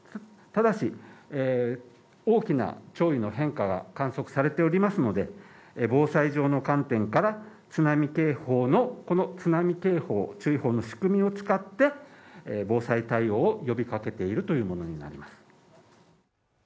ただし大きな潮位の変化が観測されておりますので防災上の観点から、津波警報注意報の仕組みを使って、防災対応を呼び掛けているというものになります。